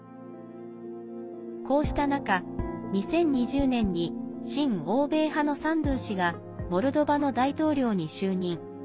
こうした中、２０２０年に親欧米派のサンドゥ氏がモルドバの大統領に就任。